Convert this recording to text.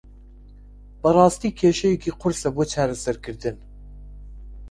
بەڕاستی کێشەیەکی قورسە بۆ چارەسەرکردن.